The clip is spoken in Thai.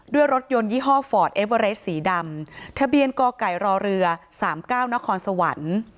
ด้วยรถยนต์ยี่ห้อฟอร์ดเอเวอเรสสีดำทะเบียนกไก่รอเรือ๓๙นครสวรรค์